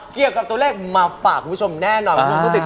เกี่ยวกับตัวเลขมาฝากคุณคุณชมแน่นอน